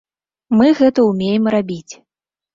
Мы гэта ўмеем рабіць.